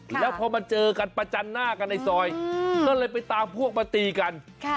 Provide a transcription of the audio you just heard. แล้วพอมาเจอกันประจันหน้ากันในซอยก็เลยไปตามพวกมาตีกัน